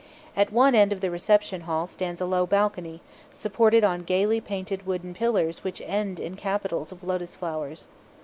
At one end of the reception hall stands a low balcony, supported on gaily painted wooden pillars which end in capitals of lotus flowers.